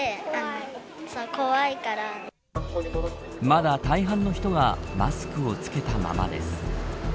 まだ大半の人がマスクを着けたままです。